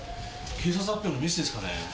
警察発表のミスですかねぇ？